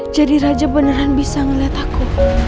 jadi raja beneran bisa ngelihat aku